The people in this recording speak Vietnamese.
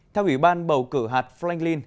theo ủy ban bầu cử hạt franklin